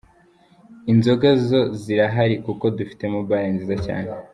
Inzoga zo zirahari kuko dufitemo Bar nziza cyane.